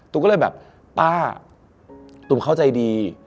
ก็เลยแบบป้าตุ๋มเข้าใจดี